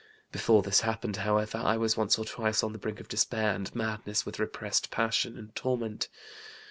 Before this happened, however, I was once or twice on the brink of despair and madness with repressed passion and torment.